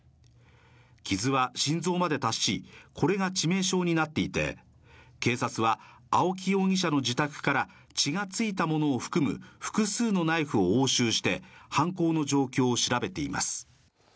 傷は心臓まで達し、これが致命傷になっていて、警察は青木容疑者の自宅から血が付いたものを含む複数のナイフを押収して犯行の状況を調べています。